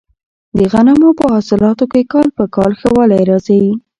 د غنمو په حاصلاتو کې کال په کال ښه والی راځي.